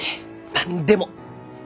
何でも！